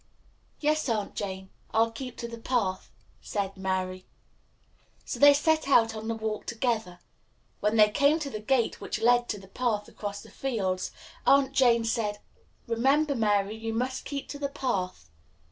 "Yes, Aunt Jane; I'll keep in the path," said Mary. So they set out on the walk together. When they came to the gate which led to the path across the fields, Aunt Jane said, "Remember, Mary, you must keep in the path."